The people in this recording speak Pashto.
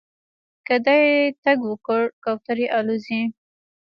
که دې ټک وکړ کوترې الوځي